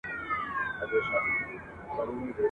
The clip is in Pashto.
شرنګولي مي د میو ګیلاسونه ..